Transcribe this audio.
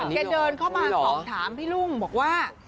เดินเข้ามาสอบถามพี่ลุงบอกว่า